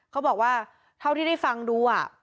เขาบอกว่าเท่าที่ได้ฟังดู